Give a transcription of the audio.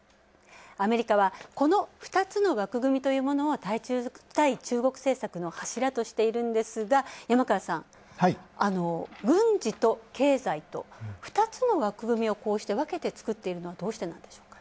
アメリカはこの２つの枠組みというものを対中国政策の柱としているんですが山川さん、軍事と経済と２つの枠組みをこうして分けて作っているのはどうしてなんでしょうか？